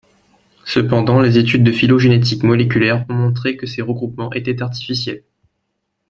Cependant les études de phylogénétique moléculaire ont montré que ces regroupements étaient artificiels.